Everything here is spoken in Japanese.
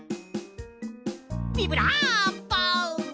ビブラーボ！